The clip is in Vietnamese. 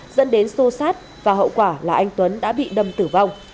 dẫn đến sô sát và hậu quả là anh tuấn đã bị đâm tử vong